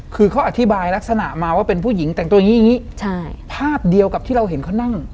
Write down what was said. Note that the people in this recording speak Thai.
คือเขาอธิบายลักษณะมาว่าเป็นผู้หญิงแต่งตัวอย่างงี้ใช่ภาพเดียวกับที่เราเห็นเขานั่ง